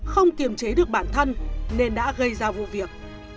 không kiềm chế được bản thân nên đã gây ra vụ việc